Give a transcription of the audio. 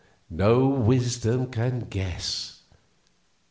No wisdom can guess!